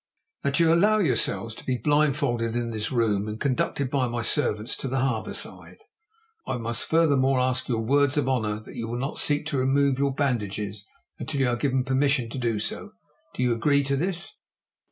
"That you allow yourselves to be blindfolded in this room and conducted by my servants to the harbour side. I must furthermore ask your words of honour that you will not seek to remove your bandages until you are given permission to do so. Do you agree to this?"